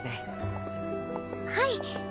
はい。